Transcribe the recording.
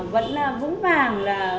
vẫn vững vàng là